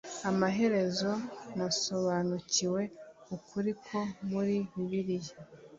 AMAHEREZO NASOBANUKIWE UKURI KO MURI BIBILIYA